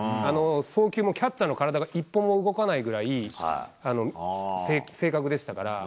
送球もキャッチャーの体が一歩も動かないくらい正確でしたから。